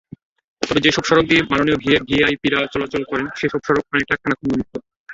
তবে যেসব সড়ক দিয়ে মাননীয় ভিভিআইপিরা চলাচল করেন, সেসব সড়ক অনেকটা খানাখন্দমুক্ত।